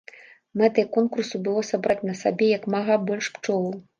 Мэтай конкурсу было сабраць на сабе як мага больш пчолаў.